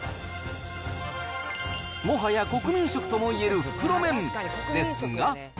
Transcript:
もはや国民食ともいえる袋麺ですが。